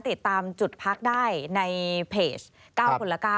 ติดตามจุดพักได้ในเพจ๙คนละ๙